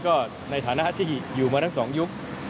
ก็ตอนนี้ก็ในฐานะที่อยู่มาทั้งสองยุค